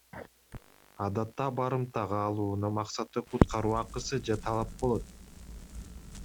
Адатта барымтага алуунун максаты куткаруу акысы же талап болот.